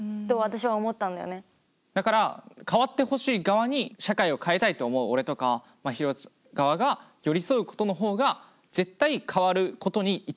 だから変わってほしい側に社会を変えたいと思う俺とかまひろ側が寄り添うことの方が絶対変わることに一番近い道だとは思う。